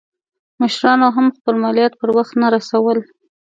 مشرانو هم خپل مالیات پر وخت نه رسول.